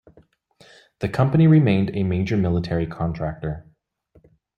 The company remained a major military contractor.